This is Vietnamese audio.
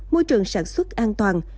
môi trường sản xuất an toàn